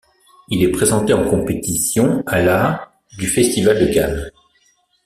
Il est présenté en compétition à la du festival de Cannes.